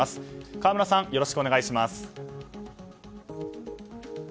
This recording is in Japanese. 河村さん、よろしくお願いします。